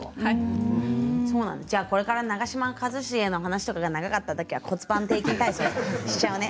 じゃあこれから長嶋一茂の話が長かったときは骨盤底筋体操をしちゃうね。